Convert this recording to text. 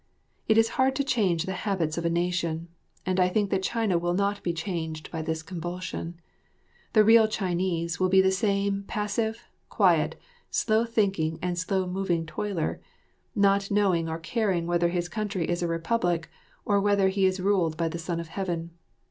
It is hard to change the habits of a nation, and I think that China will not be changed by this convulsion. The real Chinese will be the same passive, quiet, slow thinking and slow moving toiler, not knowing or caring whether his country is a republic or whether he is ruled by the Son of Heaven.